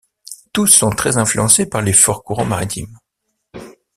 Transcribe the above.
Tous sont très influencés par les forts courants maritimes.